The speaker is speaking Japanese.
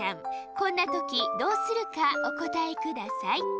こんなときどうするかおこたえください。